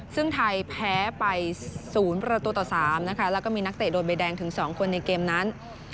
ซึ่งไทยแพ้ไป๐ประตูต่อ๓นะคะแล้วก็มีนักเตะโดนใบแดงถึง๒คนในเกมนั้น